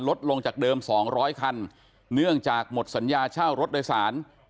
ลดลงจากเดิม๒๐๐คันเนื่องจากหมดสัญญาเช่ารถโดยสาร